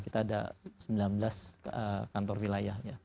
kita ada sembilan belas kantor wilayah